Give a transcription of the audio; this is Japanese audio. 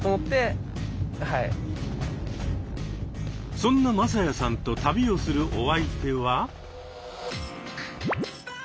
そんな匡哉さんと旅をするお相手は。